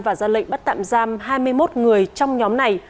và ra lệnh bắt tạm giam hai mươi một người trong nhóm này